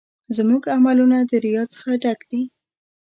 زموږ عملونه د ریا څخه ډک دي.